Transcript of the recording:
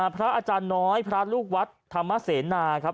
พระอาจารย์น้อยพระลูกวัฒษ์ธรรมเศนา